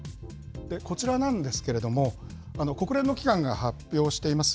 こちらなんですけれども、国連の機関が発表しています